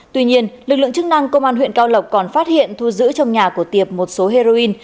tuy nhiên lực lượng chức năng công an huyện cao lộc còn phát hiện thu giữ trong nhà của tiệp một số heroin